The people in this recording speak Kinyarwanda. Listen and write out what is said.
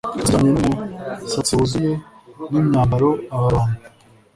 byose bijyanye numusatsi wuzuye nimyambaro abantu